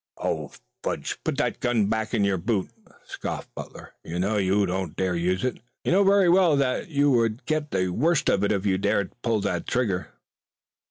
"Oh, fudge! Put that gun back in your boot!" scoffed Butler. "You know you don't dare to use it. You know very well that you would get the worst of it if you dared to pull the trigger."